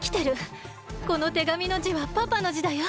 この手紙のじはパパのじだよ。